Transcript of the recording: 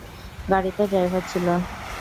গাড়ীতে ড্রাইভার ছিল।